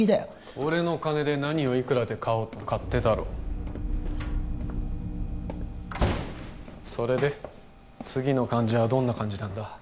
俺の金で何をいくらで買おうと勝手だろそれで次の患者はどんな感じなんだ？